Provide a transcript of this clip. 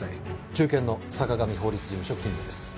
中堅の坂上法律事務所勤務です。